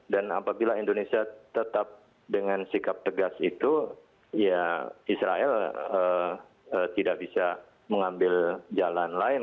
dan apabila indonesia tetap dengan sikap tegas itu ya israel tidak bisa mengambil jalan lain